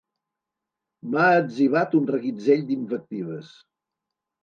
M'ha etzibat un reguitzell d'invectives.